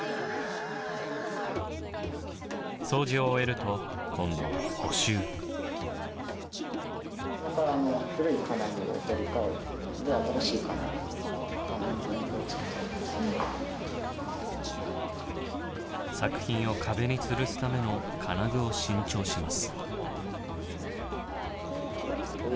掃除を終えると今度は作品を壁につるすための金具を新調します。